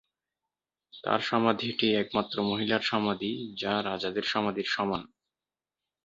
তাঁর সমাধিটি একমাত্র মহিলার সমাধি যা রাজাদের সমাধির সমান।